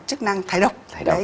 chức năng thải độc